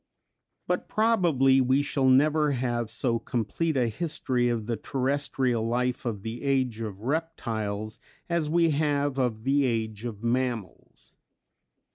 But probably we shall never have so complete a history of the terrestrial life of the Age of Reptiles as we have of the Age of Mammals.